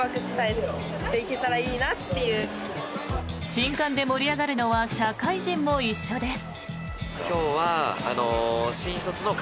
新歓で盛り上がるのは社会人も一緒です。